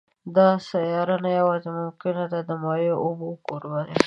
دا سیاره نه یوازې ممکن د مایع اوبو کوربه وي